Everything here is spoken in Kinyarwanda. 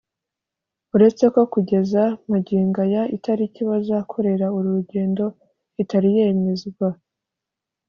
uretse ko kugeza magingo aya itariki bazakorera uru rugendo itari yemezwa